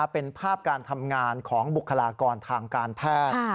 เป็นภาพการทำงานของบุคลากรทางการแพทย์